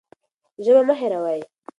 ژبه مه هېروئ.